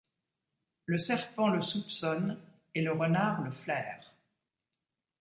Le serpent le soupçonne et le renard le flaire ;